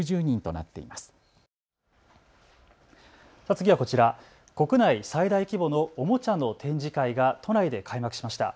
次はこちら、国内最大規模のおもちゃの展示会が都内で開幕しました。